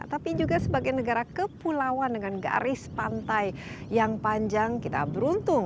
tapi juga sebagai negara kepulauan dengan garis pantai yang panjang kita beruntung